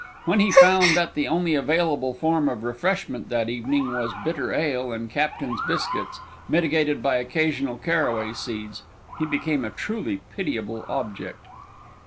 When he found that the only available form of refreshment that evening was bitter ale and captain's biscuits, mitigated by occasional caraway seeds, he became a truly pitiable object.